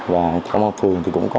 và trong phường thì cũng có